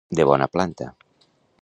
De bona planta.